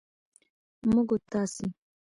موږ و تاسې